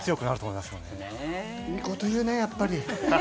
いいこと言うね、やっぱり。